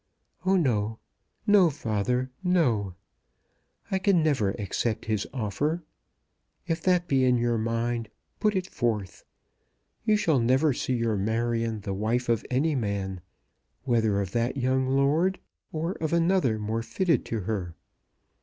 "Oh, no! No, father, no. I can never accept his offer. If that be in your mind put it forth. You shall never see your Marion the wife of any man, whether of that young lord or of another more fitted to her.